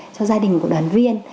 cho gia đình của đoàn viên